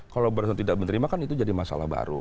kalau tidak diterima kan itu jadi masalah baru